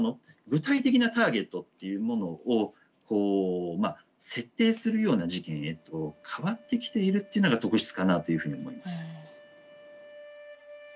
具体的なターゲットっていうものを設定するような事件へと変わってきているっていうのが特質かなというふうに思います。